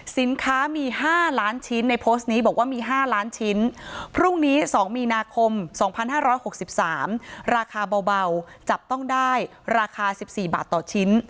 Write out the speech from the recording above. สินค้ามี๕ล้านชิ้นในโพสต์นี้บอกว่ามี๕ล้านชิ้นพรุ่งนี้๒มีนาคม๒๕๖๓ราคาเบาจับต้องได้ราคา๑๔บาทต่อชิ้น